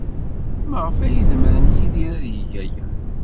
Maɣef ay demmren Yidir ad yeg aya?